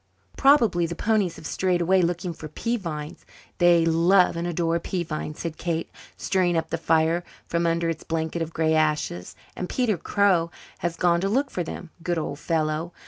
"Probably the ponies have strayed away looking for pea vines. They love and adore pea vines," said Kate, stirring up the fire from under its blanket of grey ashes. "And Peter Crow has gone to look for them, good old fellow.